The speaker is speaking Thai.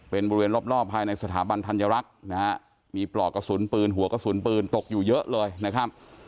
เป็นบริเวณรอบภายในสถาบันธัญรักษ์นะฮะมีปลอกกระสุนปืนหัวกระสุนปืนตกอยู่เยอะเลยนะครับ